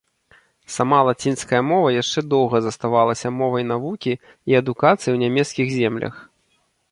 Сама лацінская мова яшчэ доўга заставалася моваю навукі і адукацыі ў нямецкіх землях.